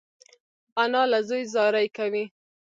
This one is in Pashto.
انا له زوی زاری کوي